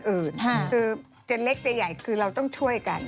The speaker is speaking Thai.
คือจะเล็กจะใหญ่คือเราต้องช่วยกัน